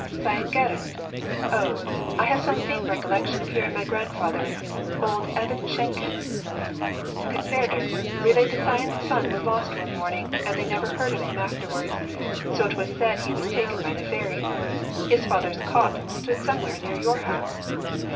'Sion Glanrhyd? O! I have some faint recollection of hearing my grandfather, old Evan Shenkin, Penferdir, relate that Sion's son was lost one morning, and they never heard of him afterwards, so that it was said he was taken by the fairies. His father's cot stood somewhere near your house.'